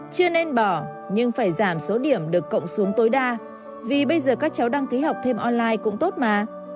chưa nên bỏ nhưng phải giảm số điểm được cộng xuống tối đa vì bây giờ các cháu đăng ký học thêm online cũng tốt mà